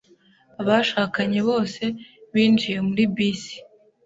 Abashakanye bose binjiye muri bisi.